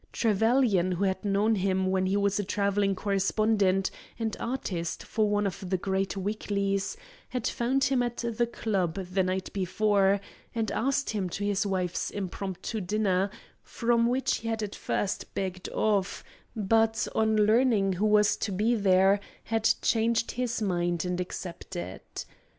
Trevelyan, who had known him when he was a travelling correspondent and artist for one of the great weeklies, had found him at the club the night before, and had asked him to his wife's impromptu dinner, from which he had at first begged off, but, on learning who was to be there, had changed his mind and accepted.